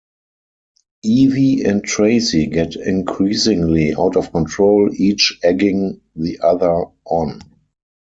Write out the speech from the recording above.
Evie and Tracy get increasingly out of control, each egging the other on.